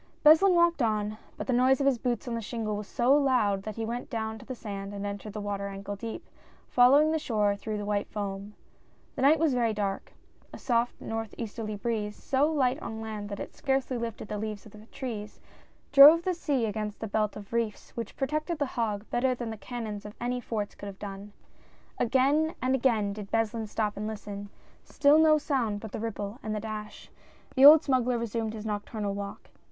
Beslin walked on, but the noise of his boots on the shingle was so loud that he went down to the sand and entered the water ankle deep, following the shore through the white foam. The night was very dark ; a soft north easterly breeze — so light on land that it scarcely lifted the leaves of the trees — drove the sea against the belt of reefs which protected La Hague better than the cannons of any forts could have done. Again and again did Beslin stop and listen, still no sound but the ripple and the dash. The old smuggler resumed his nocturnal walk.